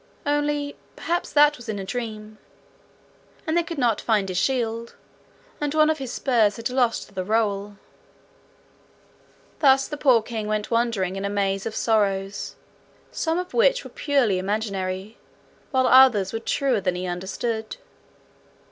only perhaps that was in a dream; and they could not find his shield; and one of his spurs had lost the rowel. Thus the poor king went wandering in a maze of sorrows, some of which were purely imaginary, while others were truer than he understood.